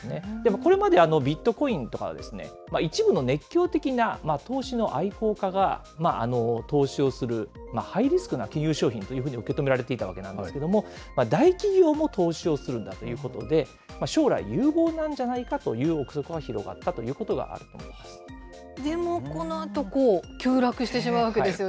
これまで、ビットコインとかはですね、一部の熱狂的な投資の愛好家が投資をする、ハイリスクな金融商品というふうに受け止められていたわけなんですけれども、大企業も投資をするんだということで、将来有望なんじゃないかという臆測が広まったということがありまでも、このあと急落してしまうわけですよね。